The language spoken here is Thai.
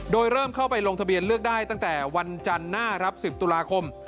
โดยเริ่มเข้าไปลงทะเบียนเลือกได้ตั้งแต่วันจันทร์หน้าครับ๑๐ตุลาคม